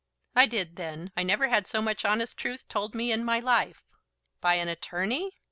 "I did then. I never had so much honest truth told me in my life." "By an attorney!"